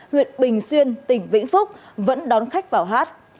huyện bình xuyên tỉnh vĩnh phúc vẫn đón khách vào hát